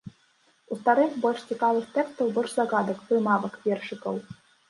У старых больш цікавых тэкстаў, больш загадак, прымавак, вершыкаў.